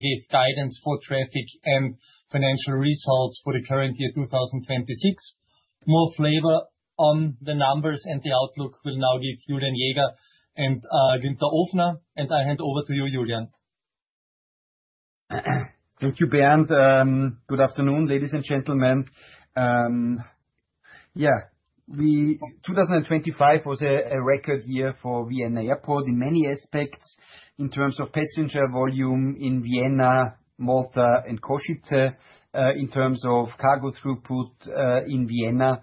Give guidance for traffic and financial results for the current year, 2026. More flavor on the numbers and the outlook will now give Julian Jäger and Günther Ofner, and I hand over to you, Julian. Thank you, Bernd. Good afternoon, ladies and gentlemen. Yeah, 2025 was a record year for Vienna Airport in many aspects, in terms of passenger volume in Vienna, Malta, and Košice, in terms of cargo throughput in Vienna.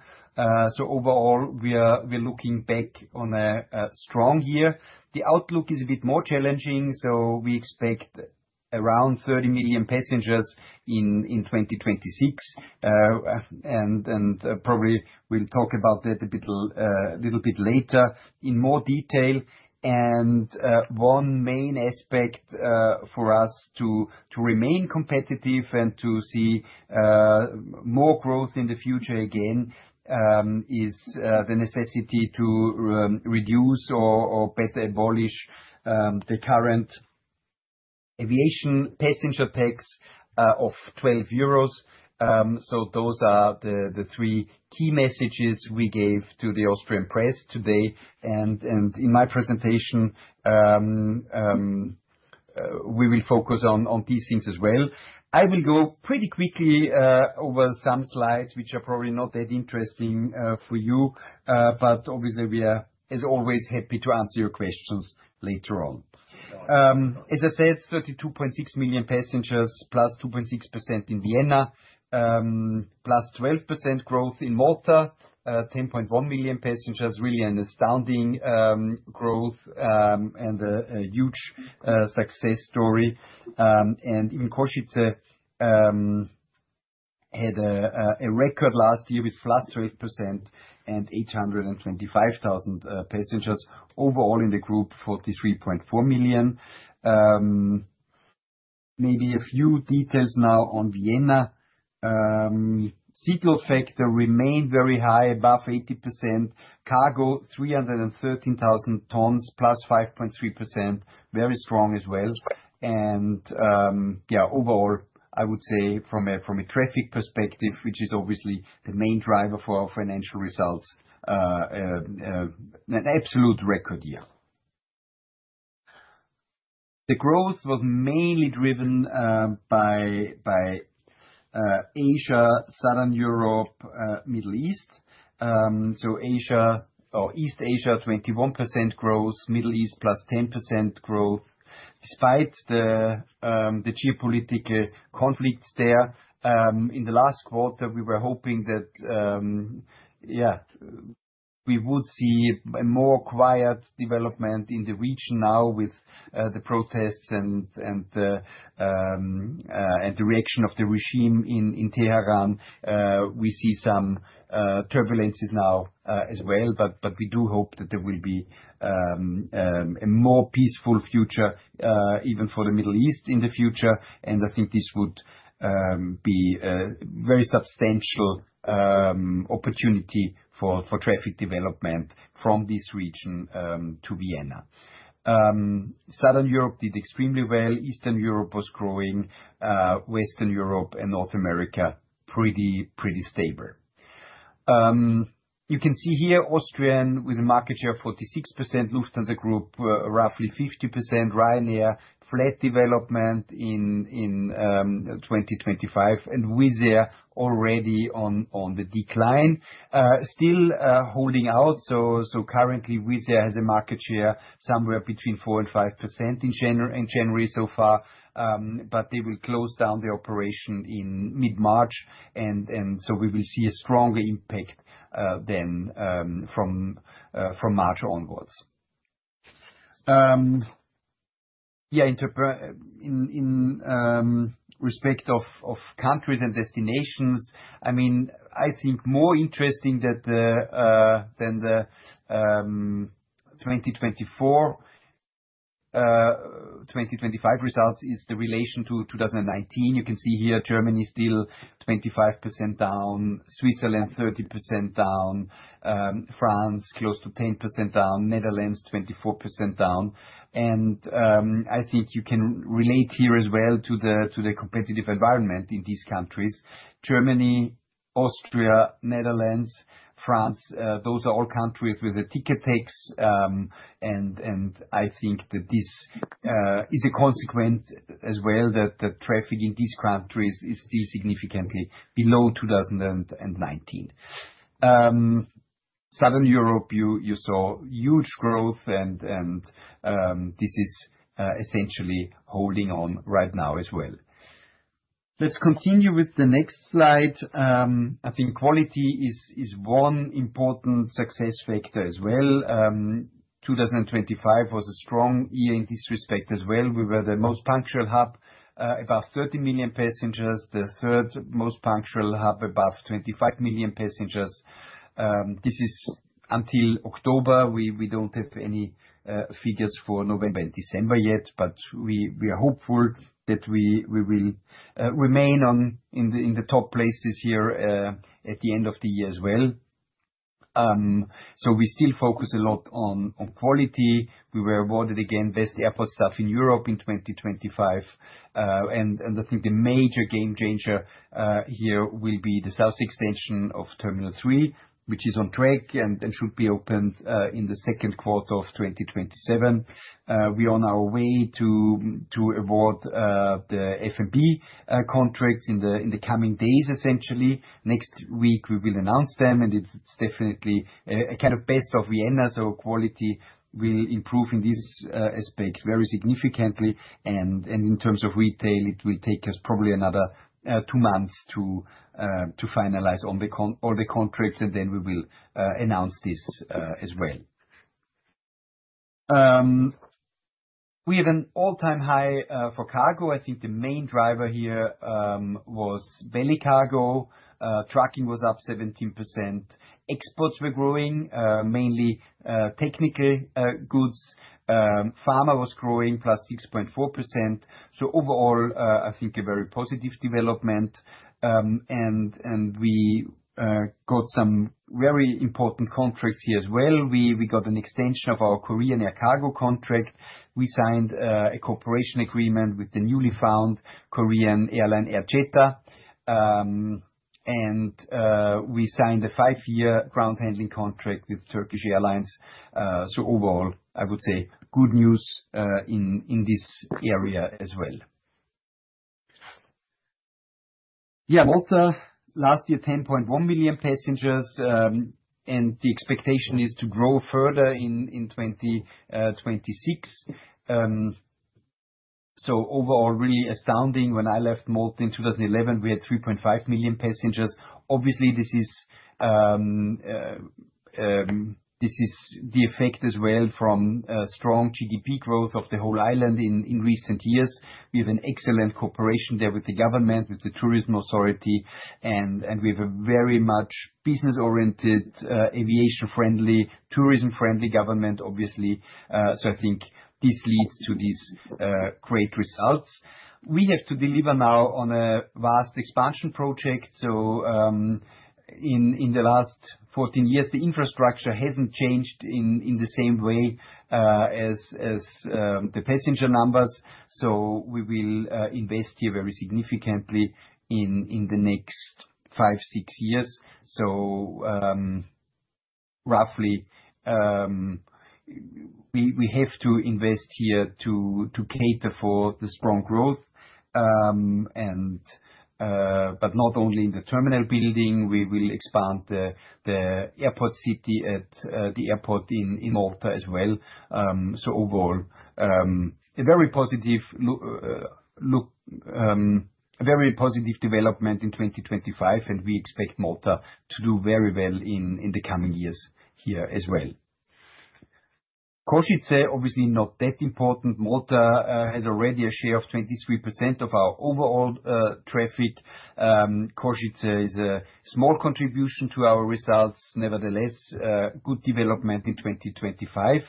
So overall, we're looking back on a strong year. The outlook is a bit more challenging, so we expect around 30 million passengers in 2026. And probably we'll talk about that a little bit later in more detail. And one main aspect for us to remain competitive and to see more growth in the future again is the necessity to reduce or better abolish the current aviation passenger tax of 12 euros. So those are the three key messages we gave to the Austrian press today, and in my presentation, we will focus on these things as well. I will go pretty quickly over some slides, which are probably not that interesting for you, but obviously we are, as always, happy to answer your questions later on. As I said, 32.6 million passengers, plus 2.6% in Vienna, plus 12% growth in Malta, 10.1 million passengers, really an astounding growth, and a huge success story. And in Košice, had a record last year with plus 8% and 825,000 passengers. Overall in the group, 43.4 million. Maybe a few details now on Vienna. Seat load factor remained very high, above 80%. Cargo, 313,000 tons, +5.3%, very strong as well. Overall, I would say from a traffic perspective, which is obviously the main driver for our financial results, an absolute record year. The growth was mainly driven by Asia, Southern Europe, Middle East. Asia or East Asia, 21% growth, Middle East, +10% growth, despite the geopolitical conflicts there. In the last quarter, we were hoping that we would see a more quiet development in the region now with the protests and the reaction of the regime in Tehran. We see some turbulence now as well, but we do hope that there will be a more peaceful future even for the Middle East in the future, and I think this would be a very substantial opportunity for traffic development from this region to Vienna. Southern Europe did extremely well. Eastern Europe was growing, Western Europe and North America pretty stable. You can see here Austrian with a market share of 46%, Lufthansa Group roughly 50%, Ryanair flat development in 2025, and Wizz Air already on the decline. Still holding out, so currently Wizz Air has a market share somewhere between 4% and 5% in January so far. But they will close down the operation in mid-March, and so we will see a stronger impact, then, from March onwards. Yeah, in respect of countries and destinations, I mean, I think more interesting than the 2024, 2025 results is the relation to 2019. You can see here, Germany still 25% down, Switzerland, 30% down, France, close to 10% down, Netherlands, 24% down. And I think you can relate here as well to the competitive environment in these countries. Germany, Austria, Netherlands, France, those are all countries with a ticket tax, and I think that this is a consequence as well, that the traffic in these countries is still significantly below 2019. Southern Europe, you saw huge growth and this is essentially holding on right now as well. Let's continue with the next slide. I think quality is one important success factor as well. 2025 was a strong year in this respect as well. We were the most punctual hub above thirty million passengers, the third most punctual hub above 25 million passengers. This is until October. We don't have any figures for November and December yet, but we are hopeful that we will remain in the top place this year at the end of the year as well. So we still focus a lot on quality. We were awarded again Best Airport Staff in Europe in 2025. I think the major game changer here will be the south extension of Terminal three, which is on track and should be opened in the second quarter of 2027. We're on our way to award the F&B contracts in the coming days, essentially. Next week, we will announce them, and it's definitely a kind of best of Vienna, so quality will improve in this aspect very significantly, and in terms of retail, it will take us probably another two months to finalize all the contracts, and then we will announce this as well. We have an all-time high for cargo. I think the main driver here was belly cargo. Traffic was up 17%. Exports were growing, mainly, technical goods. Pharma was growing, plus 6.4%. So overall, I think a very positive development. And we got some very important contracts here as well. We got an extension of our Korean Air Cargo contract. We signed a cooperation agreement with the newly founded Korean airline, Air Incheon. And we signed a five-year ground handling contract with Turkish Airlines. So overall, I would say good news in this area as well. Yeah, Malta, last year, 10.1 million passengers, and the expectation is to grow further in 2026. So overall, really astounding. When I left Malta in two thousand and eleven, we had 3.5 million passengers. Obviously, this is the effect as well from strong GDP growth of the whole island in recent years. We have an excellent cooperation there with the government, with the tourism authority, and we have a very much business-oriented, aviation-friendly, tourism-friendly government, obviously. I think this leads to these great results. We have to deliver now on a vast expansion project. In the last fourteen years, the infrastructure hasn't changed in the same way as the passenger numbers, so we will invest here very significantly in the next five, six years. Roughly, we have to invest here to cater for the strong growth. But not only in the terminal building, we will expand the airport city at the airport in Malta as well. So overall, a very positive development in 2025, and we expect Malta to do very well in the coming years here as well. Košice, obviously not that important. Malta has already a share of 23% of our overall traffic. Košice is a small contribution to our results. Nevertheless, a good development in 2025.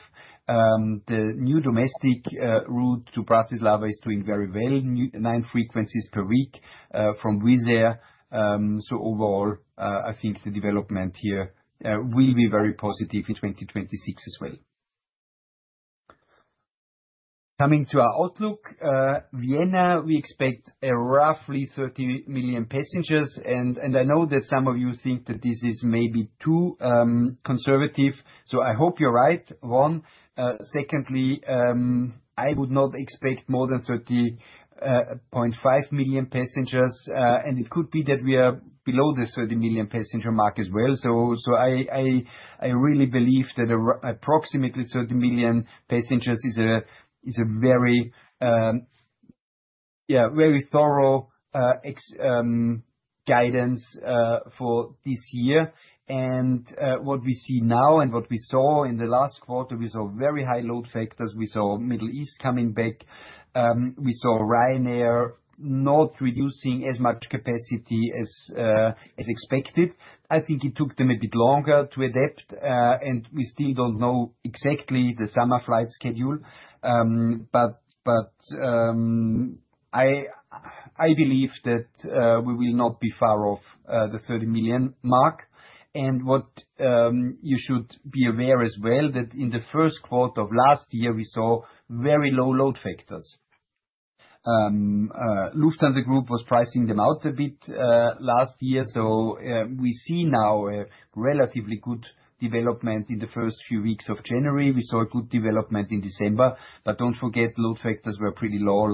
The new domestic route to Bratislava is doing very well, nine frequencies per week from Wizz Air. So overall, I think the development here will be very positive in 2026 as well. Coming to our outlook, Vienna, we expect roughly 30 million passengers, and I know that some of you think that this is maybe too conservative, so I hope you're right, one. Secondly, I would not expect more than 30.5 million passengers, and it could be that we are below the 30 million passenger mark as well. So, I really believe that approximately 30 million passengers is a very, yeah, very thorough guidance for this year. What we see now and what we saw in the last quarter, we saw very high load factors. We saw Middle East coming back. We saw Ryanair not reducing as much capacity as expected. I think it took them a bit longer to adapt, and we still don't know exactly the summer flight schedule. But I believe that we will not be far off the thirty million mark. And what you should be aware as well, that in the first quarter of last year, we saw very low load factors. Lufthansa Group was pricing them out a bit last year, so we see now a relatively good development in the first few weeks of January. We saw a good development in December, but don't forget, load factors were pretty low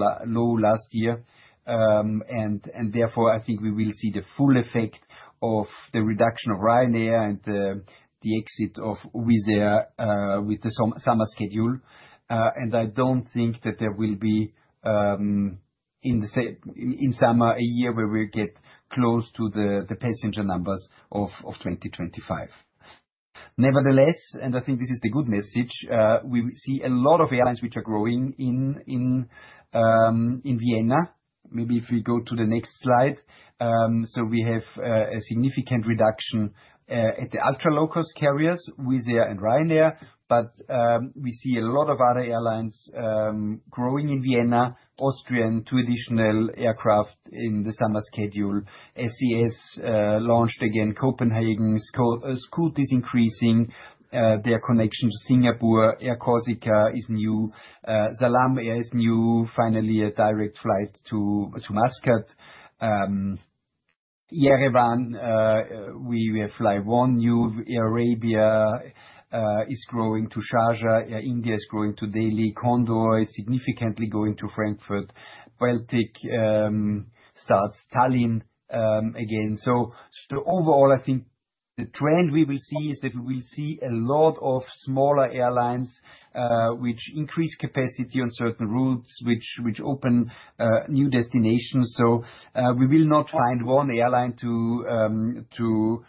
last year. And therefore, I think we will see the full effect of the reduction of Ryanair and the exit of Wizz Air with the summer schedule. And I don't think that there will be in the same summer a year where we get close to the passenger numbers of 2025. Nevertheless, I think this is the good message. We see a lot of airlines which are growing in Vienna. Maybe if we go to the next slide. So we have a significant reduction at the ultra-low cost carriers, Wizz Air and Ryanair, but we see a lot of other airlines growing in Vienna, Austrian, two additional aircraft in the summer schedule. SAS launched again Copenhagen, Scoot is increasing their connection to Singapore. Air Corsica is new, SalamAir is new, finally a direct flight to Muscat. Yerevan, we will fly one new. Air Arabia is growing to Sharjah. Air India is growing to Delhi. Condor is significantly going to Frankfurt. Baltic starts Tallinn again, so overall, I think the trend we will see is that we will see a lot of smaller airlines which increase capacity on certain routes, which open new destinations. So we will not find one airline to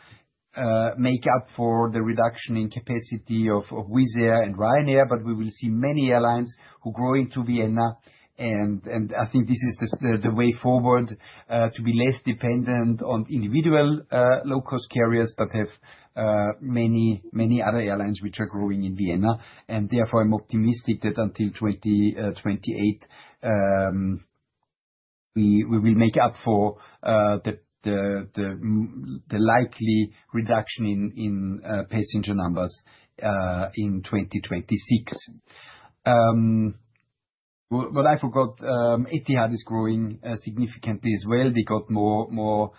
make up for the reduction in capacity of Wizz Air and Ryanair, but we will see many airlines who grow into Vienna, and I think this is the way forward to be less dependent on individual low-cost carriers, but have many other airlines which are growing in Vienna, and therefore, I'm optimistic that until 2028 we will make up for the likely reduction in passenger numbers in 2026. But I forgot, Etihad is growing significantly as well. They got more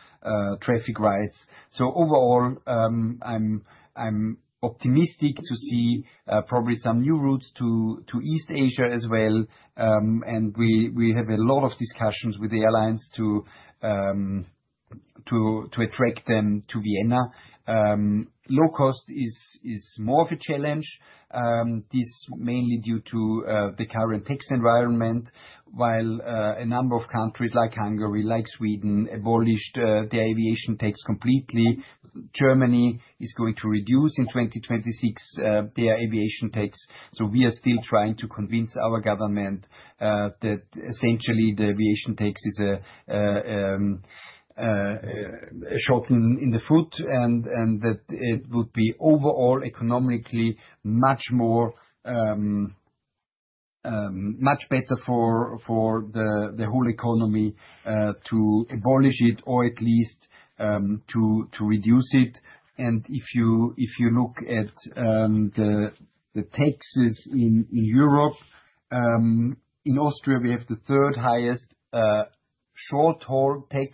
traffic rights. So overall, I'm optimistic to see probably some new routes to East Asia as well, and we have a lot of discussions with the airlines to attract them to Vienna. Low cost is more of a challenge, this mainly due to the current tax environment. While a number of countries like Hungary, like Sweden, abolished the aviation tax completely, Germany is going to reduce in 2026 their aviation tax. So we are still trying to convince our government that essentially the aviation tax is a shot in the foot, and that it would be overall economically much more much better for the whole economy to abolish it, or at least to reduce it. And if you look at the taxes in Europe, in Austria, we have the third highest short-haul tax.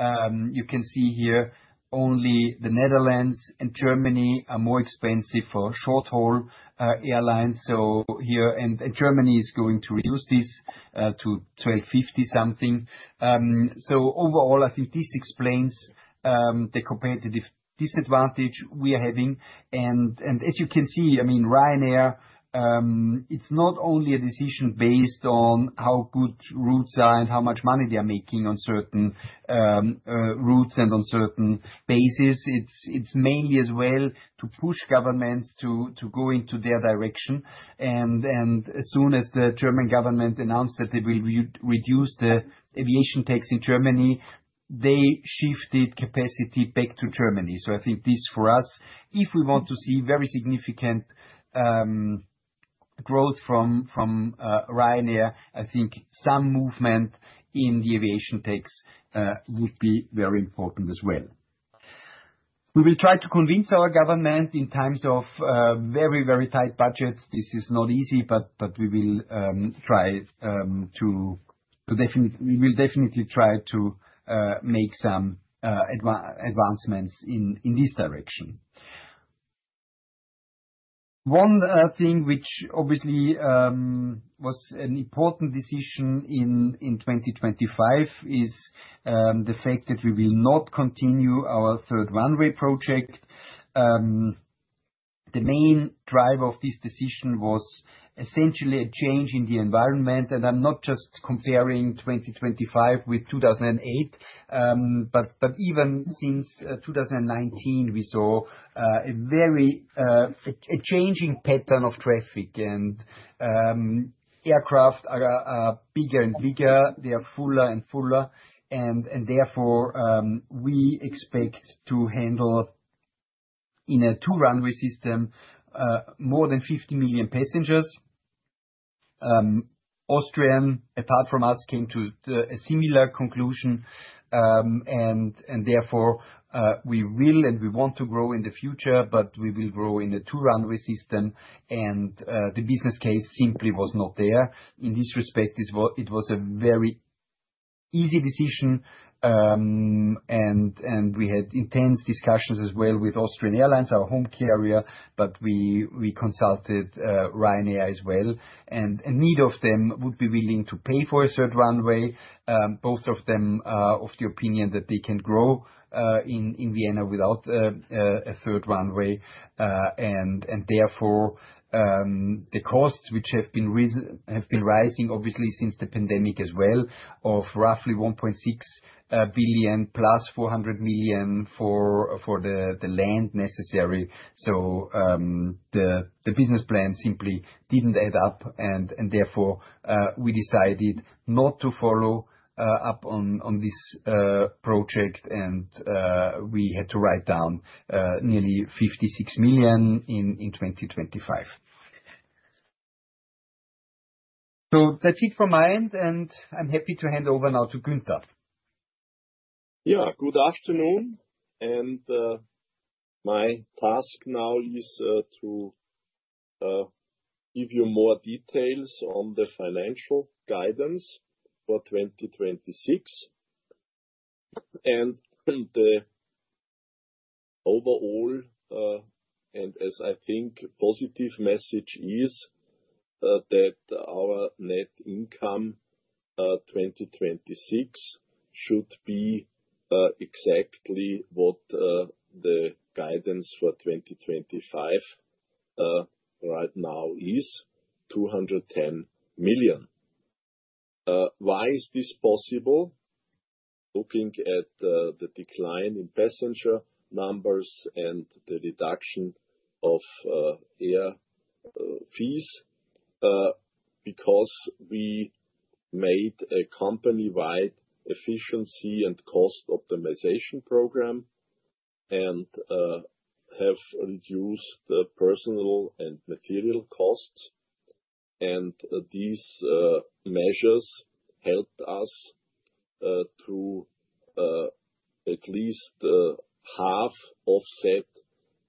You can see here only the Netherlands and Germany are more expensive for short-haul airlines, so here, and Germany is going to reduce this to twelve fifty something. So overall, I think this explains the competitive disadvantage we are having. As you can see, I mean, Ryanair, it's not only a decision based on how good routes are and how much money they are making on certain routes and on certain bases. It's mainly as well to push governments to go into their direction. As soon as the German government announced that they will reduce the aviation tax in Germany, they shifted capacity back to Germany. I think this, for us, if we want to see very significant growth from Ryanair, some movement in the aviation tax would be very important as well. We will try to convince our government in times of very, very tight budgets. This is not easy, but we will definitely try to make some advancements in this direction. One thing which obviously was an important decision in 2025 is the fact that we will not continue our third runway project. The main drive of this decision was essentially a change in the environment, and I'm not just comparing 2025 with 2008, but even since 2019, we saw a very changing pattern of traffic. Aircraft are bigger and bigger, they are fuller and fuller, and therefore we expect to handle in a two-runway system more than 50 million passengers. Austrian, apart from us, came to a similar conclusion, and therefore we will and we want to grow in the future, but we will grow in a two-runway system, and the business case simply was not there. In this respect, it was a very easy decision, and we had intense discussions as well with Austrian Airlines, our home carrier, but we consulted Ryanair as well. Neither of them would be willing to pay for a third runway. Both of them are of the opinion that they can grow in Vienna without a third runway. Therefore, the costs which have been rising, obviously, since the pandemic as well, of roughly 1.6 billion plus 400 million for the land necessary. The business plan simply didn't add up, and therefore we decided not to follow up on this project, and we had to write down nearly 56 million in 2025. That's it from my end, and I'm happy to hand over now to Günther. Yeah, good afternoon, and my task now is to give you more details on the financial guidance for 2026. And the overall, and as I think, positive message is that our net income 2026 should be exactly what the guidance for 2025 right now is, 210 million. Why is this possible? Looking at the decline in passenger numbers and the reduction of air fees because we made a company-wide efficiency and cost optimization program, and have reduced the personnel and material costs. And these measures helped us to at least half offset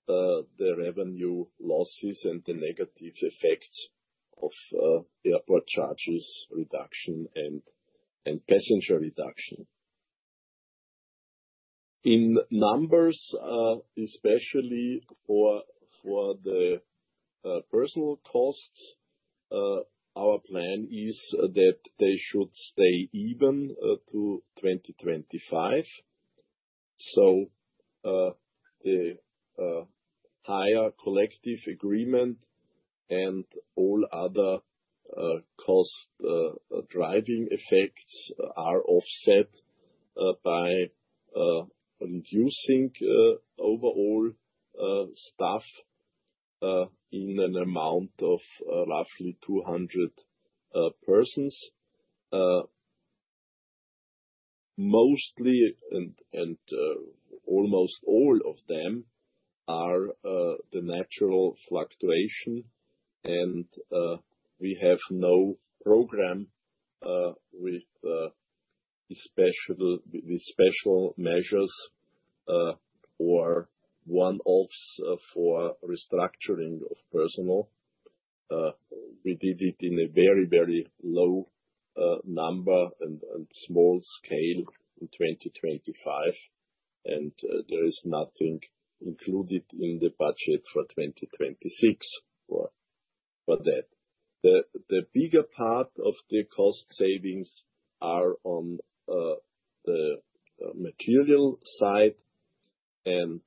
the revenue losses and the negative effects of airport charges reduction and passenger reduction. In numbers, especially for the personal costs, our plan is that they should stay even to 2025. So, the higher collective agreement and all other cost driving effects are offset by reducing overall staff in an amount of roughly 200 persons. Mostly and almost all of them are the natural fluctuation, and we have no program with special measures or one-offs for restructuring of personnel. We did it in a very low number and small scale in 2025, and there is nothing included in the budget for 2026 for that. The bigger part of the cost savings are on the material side, and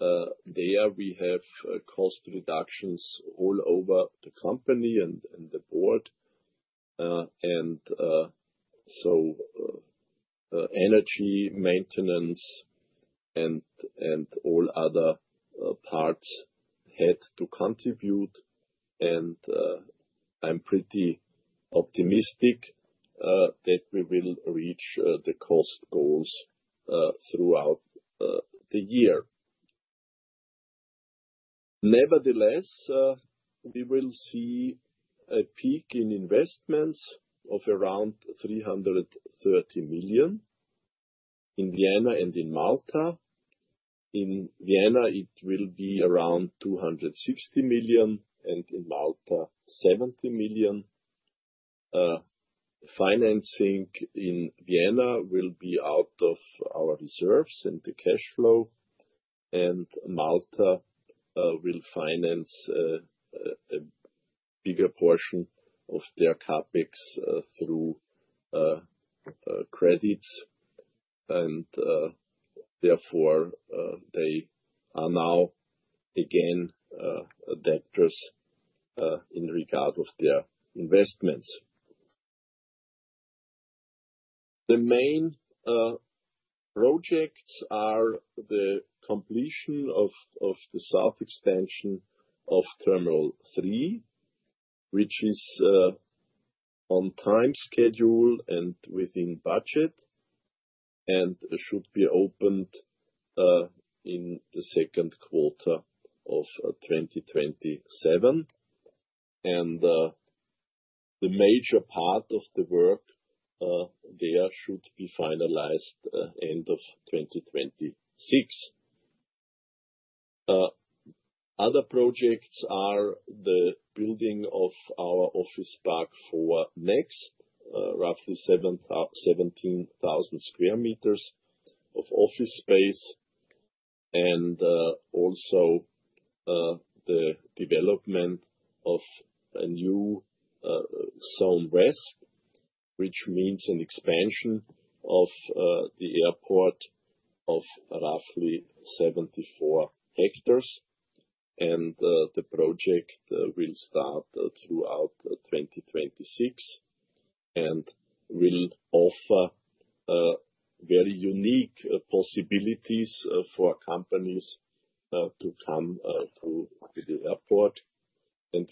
there we have cost reductions all over the company and the board. And so energy, maintenance, and all other parts had to contribute, and I'm pretty optimistic that we will reach the cost goals throughout the year. Nevertheless, we will see a peak in investments of around 330 million in Vienna and in Malta. In Vienna, it will be around 260 million, and in Malta, 70 million. Financing in Vienna will be out of our reserves and the cash flow, and Malta will finance a bigger portion of their CapEx through credits. Therefore, they are now again debtors in regard of their investments. The main projects are the completion of the south extension of Terminal three, which is on time schedule and within budget, and should be opened in the second quarter of 2027. The major part of the work there should be finalized end of 2026. Other projects are the building of our Office Park four, roughly 17,000 square meters of office space, and also the development of a new Zone West, which means an expansion of the airport of roughly 74 hectares. The project will start throughout 2026, and will offer very unique possibilities for companies to come to the airport.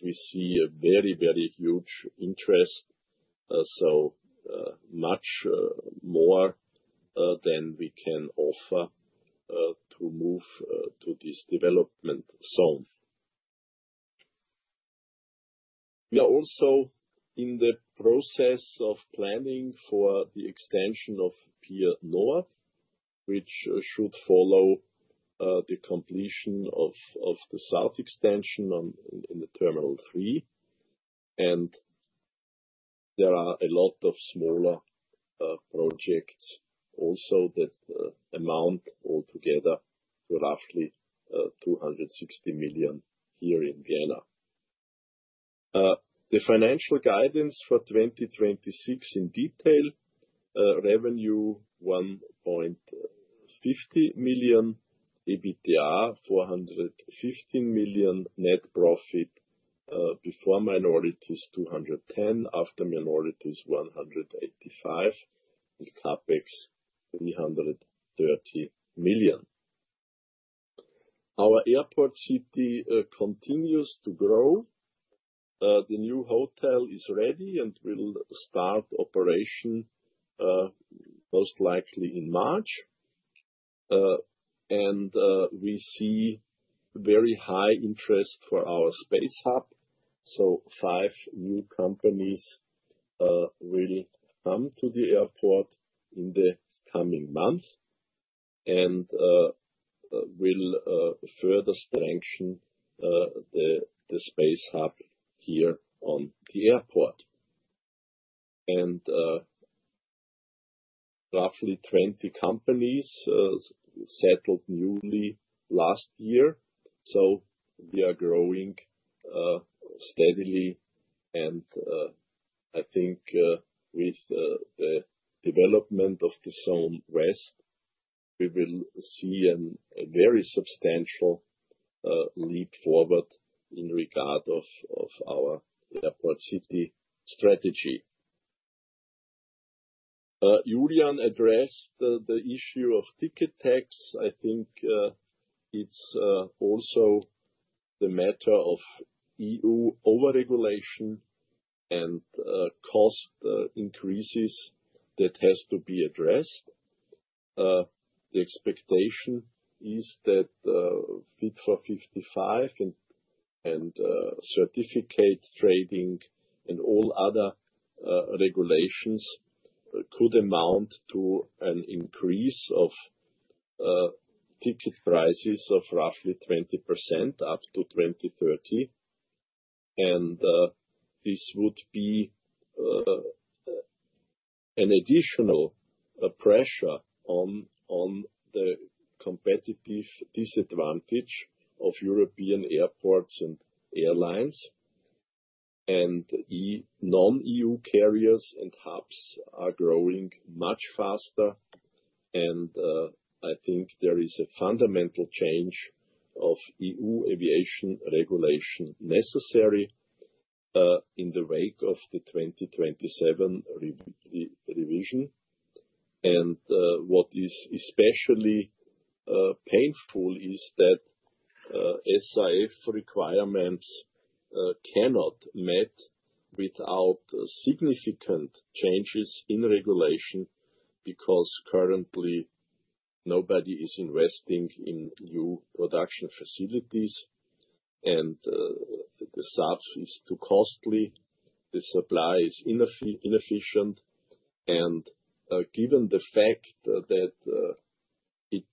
And we see a very, very huge interest, so much more than we can offer to move to this development zone. We are also in the process of planning for the extension of Pier North, which should follow the completion of the south extension of Terminal three. And there are a lot of smaller projects also that amount all together to roughly 260 million here in Vienna. The financial guidance for 2026 in detail, revenue EUR 1.50 million, EBITDA 415 million, net profit before minorities 210 million, after minorities 185 million, and CapEx 330 million. Our Airport City continues to grow. The new hotel is ready and will start operation most likely in March. We see very high interest for our Space Hub, so five new companies will come to the airport in the coming months, and we'll further strengthen the Space Hub here on the airport. Roughly 20 companies settled newly last year, so we are growing steadily, and I think with the development of the Zone West, we will see a very substantial leap forward in regard of our Airport City strategy. Julian addressed the issue of ticket tax. I think it's also the matter of EU over-regulation and cost increases that has to be addressed. The expectation is that Fit for 55 and certificate trading and all other regulations could amount to an increase of ticket prices of roughly 20% up to 2030, and this would be an additional pressure on the competitive disadvantage of European airports and airlines. Non-EU carriers and hubs are growing much faster, and I think there is a fundamental change of EU aviation regulation necessary in the wake of the 2027 revision. What is especially painful is that SAF requirements cannot be met without significant changes in regulation, because currently nobody is investing in new production facilities, and the SAF is too costly, the supply is inefficient, and given the fact that it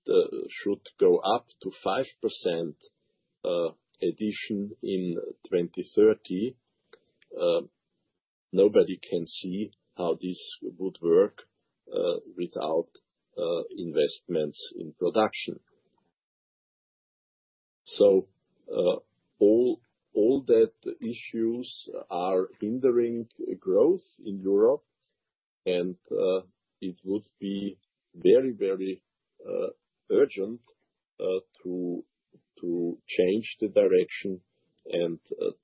should go up to 5% addition in 2030, nobody can see how this would work without investments in production. So all those issues are hindering growth in Europe, and it would be very, very urgent to change the direction and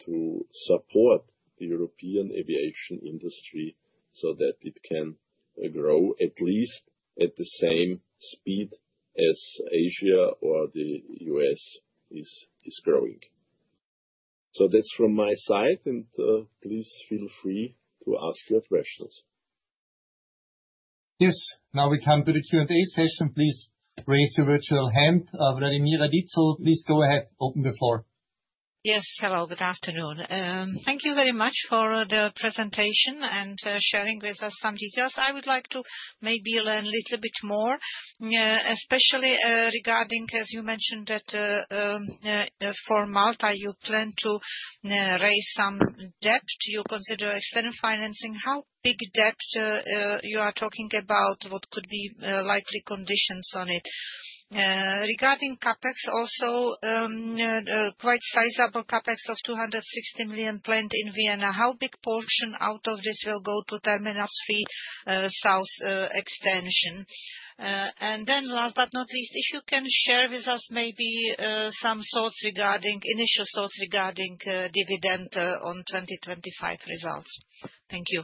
to support the European aviation industry so that it can grow at least at the same speed as Asia or the U.S. is growing. So that's from my side, and please feel free to ask your questions. Yes, now we come to the Q&A session. Please raise your virtual hand. Vladimir Aditso, please go ahead, open the floor. Yes. Hello, good afternoon. Thank you very much for the presentation and sharing with us some details. I would like to maybe learn a little bit more, especially regarding, as you mentioned, that for Malta, you plan to raise some debt. Do you consider external financing? How big debt you are talking about? What could be likely conditions on it? Regarding CapEx also, quite sizable CapEx of 260 million planned in Vienna, how big portion out of this will go to Terminal three south extension, and then last but not least, if you can share with us maybe some thoughts regarding initial thoughts regarding dividend on 2025 results. Thank you.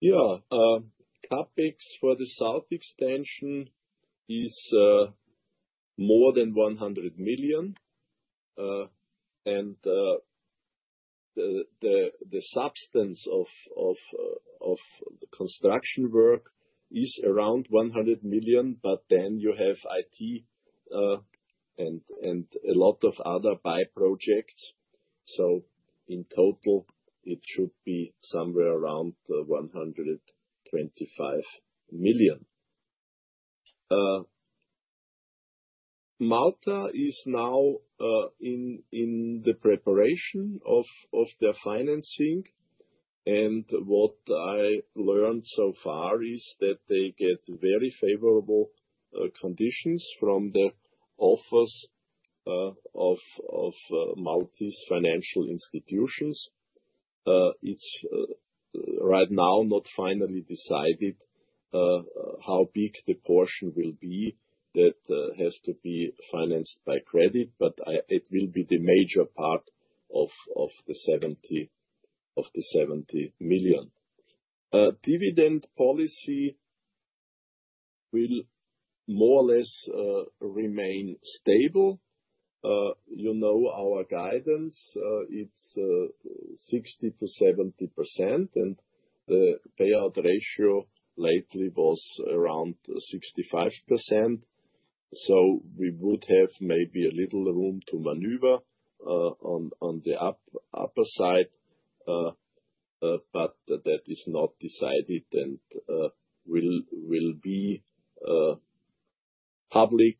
Yeah, CapEx for the south extension is more than 100 million, and. The substance of the construction work is around 100 million, but then you have IT, and a lot of other side projects. So in total, it should be somewhere around EUR 125 million. Malta is now in the preparation of their financing, and what I learned so far is that they get very favorable conditions from the office of Maltese financial institutions. It's right now not finally decided how big the portion will be that has to be financed by credit, but it will be the major part of the seventy million. Dividend policy will more or less remain stable. You know, our guidance, it's 60%-70%, and the payout ratio lately was around 65%. So we would have maybe a little room to maneuver on the upper side, but that is not decided, and will be public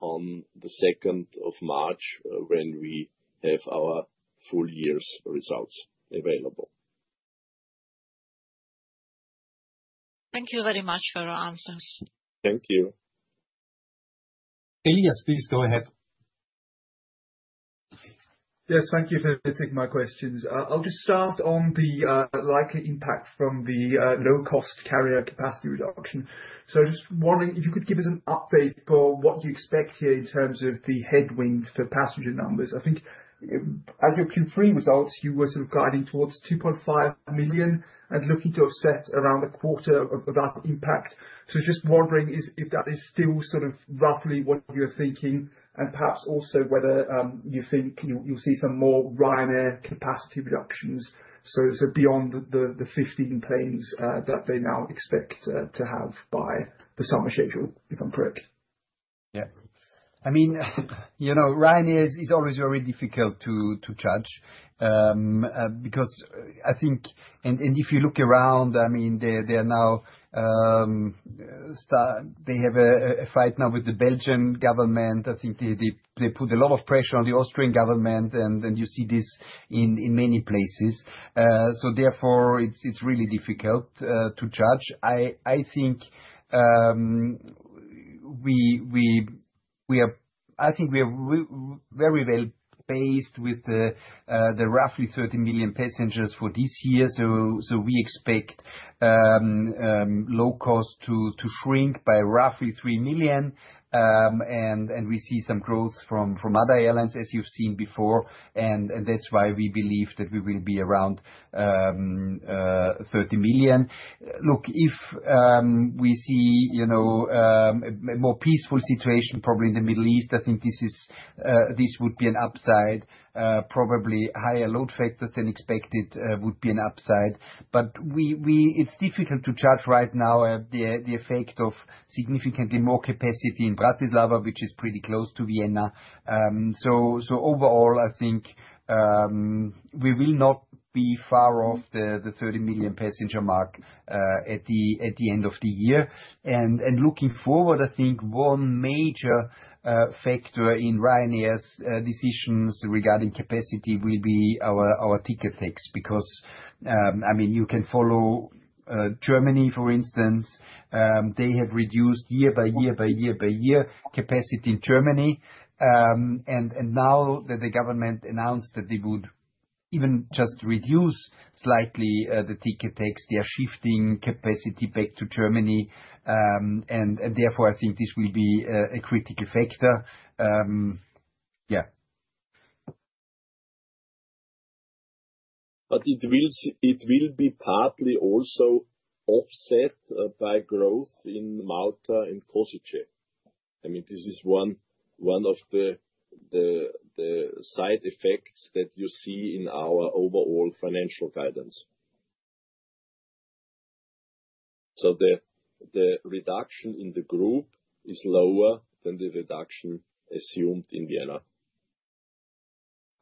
on the second of March, when we have our full year's results available. Thank you very much for your answers. Thank you. Elias, please go ahead. Yes, thank you for taking my questions. I'll just start on the likely impact from the low-cost carrier capacity reduction. So just wondering if you could give us an update for what you expect here in terms of the headwinds for passenger numbers? I think, as your Q3 results, you were sort of guiding towards two point five million, and looking to offset around a quarter of that impact. So just wondering is, if that is still sort of roughly what you're thinking, and perhaps also whether you think you'll see some more Ryanair capacity reductions, so beyond the fifteen planes that they now expect to have by the summer schedule, if I'm correct. Yeah. I mean, you know, Ryanair is always very difficult to judge, because I think. And if you look around, I mean, they are now they have a fight now with the Belgian government. I think they put a lot of pressure on the Austrian government, and you see this in many places. So therefore, it's really difficult to judge. I think we are very well placed with the roughly thirty million passengers for this year. So we expect low cost to shrink by roughly three million, and we see some growth from other airlines, as you've seen before, and that's why we believe that we will be around thirty million. Look, if we see, you know, a more peaceful situation, probably in the Middle East, I think this is, this would be an upside, probably higher load factors than expected, would be an upside. But it's difficult to judge right now, the effect of significantly more capacity in Bratislava, which is pretty close to Vienna. So overall, I think we will not be far off the thirty million passenger mark, at the end of the year. And looking forward, I think one major factor in Ryanair's decisions regarding capacity will be our ticket tax. Because, I mean, you can follow Germany, for instance, they have reduced year by year by year by year, capacity in Germany. Now that the government announced that they would even just reduce slightly the ticket tax, they are shifting capacity back to Germany. Therefore, I think this will be a critical factor. Yeah. But it will be partly also offset by growth in Malta and Košice. I mean, this is one of the side effects that you see in our overall financial guidance. So the reduction in the group is lower than the reduction assumed in Vienna.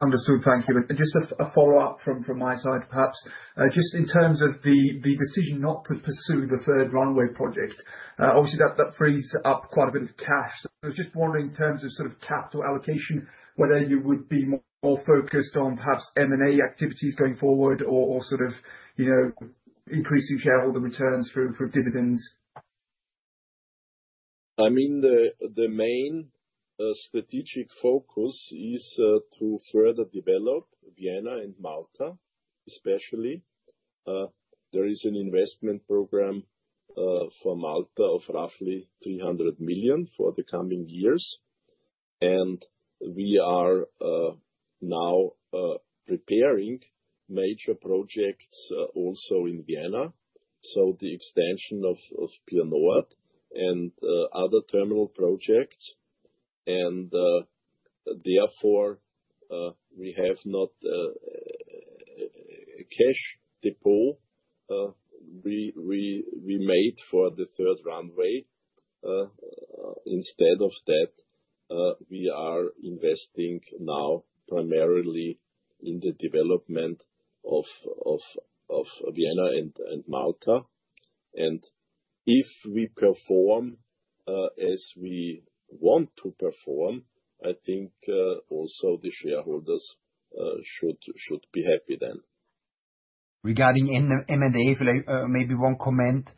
Understood. Thank you. And just a follow-up from my side, perhaps. Just in terms of the decision not to pursue the third runway project, obviously that frees up quite a bit of cash. So just wondering, in terms of sort of capital allocation, whether you would be more focused on perhaps M&A activities going forward, or sort of, you know, increasing shareholder returns through dividends? I mean, the main strategic focus is to further develop Vienna and Malta, especially. There is an investment program for Malta of roughly 300 million for the coming years, and we are now preparing major projects also in Vienna, so the extension of Pier North and other terminal projects... and therefore we have not a cash deposit we made for the third runway. Instead of that, we are investing now primarily in the development of Vienna and Malta. And if we perform as we want to perform, I think also the shareholders should be happy then. Regarding M&A, if I may make one comment.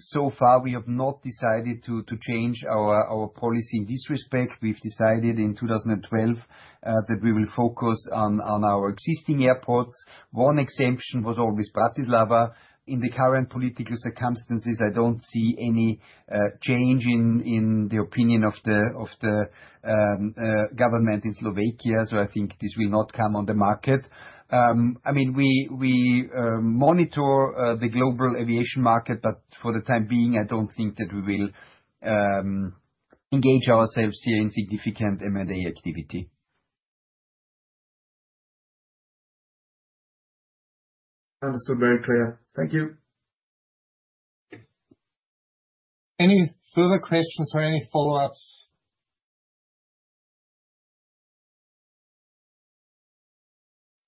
So far we have not decided to change our policy in this respect. We've decided in 2012 that we will focus on our existing airports. One exemption was always Bratislava. In the current political circumstances, I don't see any change in the opinion of the government in Slovakia, so I think this will not come on the market. I mean, we monitor the global aviation market, but for the time being, I don't think that we will engage ourselves here in significant M&A activity. Understood. Very clear. Thank you. Any further questions or any follow-ups?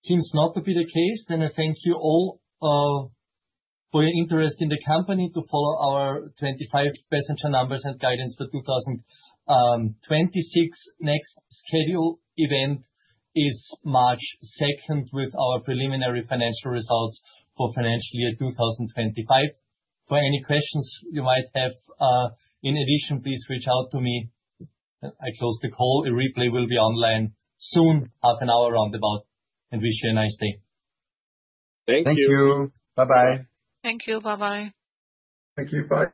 Seems not to be the case. Then I thank you all for your interest in the company to follow our 2025 passenger numbers and guidance for 2026. Next scheduled event is March second, with our preliminary financial results for financial year 2025. For any questions you might have in addition, please reach out to me. I close the call. A replay will be online soon, half an hour roundabout, and wish you a nice day. Thank you. Thank you. Bye-bye. Thank you. Bye-bye. Thank you. Bye.